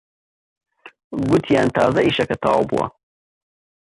گوتیان تازە ئیشەکە تەواو بووە